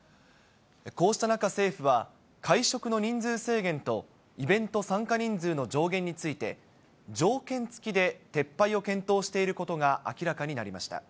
こうした中、政府は会食の人数制限と、イベント参加人数の上限について、条件付きで撤廃を検討していることが明らかになりました。